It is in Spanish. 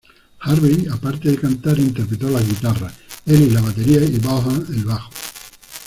Harvey, aparte de cantar interpretó las guitarras, Ellis la batería y Vaughan el bajo.